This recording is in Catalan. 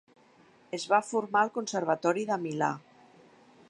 Es va formar al Conservatori de Milà.